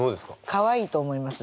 かわいいと思います。